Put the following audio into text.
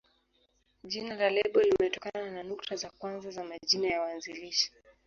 Jina la lebo limetokana na nukta za kwanza za majina ya waanzilishi.